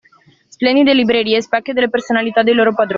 Splendide librerie, specchio delle personalità dei loro padroni